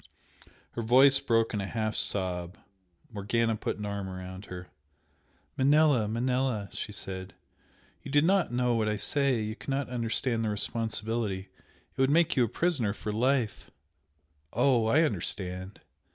Her voice broke in a half sob. Morgana put an arm about her. "Manella, Manella!" she said "You do not know what you say you cannot understand the responsibility it would make you a prisoner for life " "Oh, I understand!"